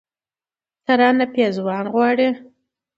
، ته رانه پېزوان غواړې